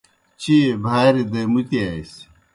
چیئے بھاریْ دے مُتِیاسیْ۔